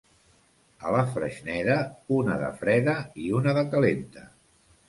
A la Freixneda, una de freda i una de calenta.